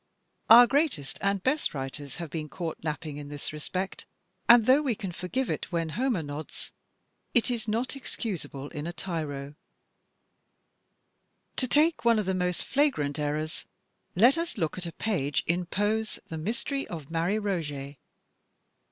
Our greatest and best writers have been caught napping in 212 THE TECHNIQUE OF THE MYSTERY STORY this respect, and though we can forgive it when Homer nods, it is not excusable in a tyro. To take one of the most flagrant errors, let us look at a page in Poe's "The Mystery of Marie Roget."